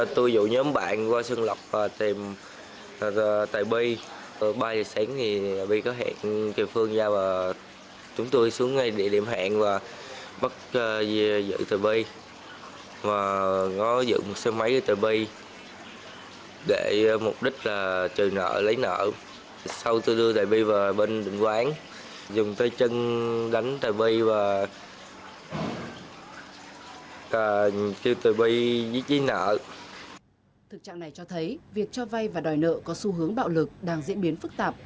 thực trạng này cho thấy việc cho vai và đòi nợ có xu hướng bạo lực đang diễn biến phức tạp